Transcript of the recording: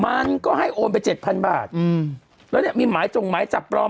มันก็ให้โอนไปเจ็ดพันบาทอืมแล้วเนี่ยมีหมายจงหมายจับปลอม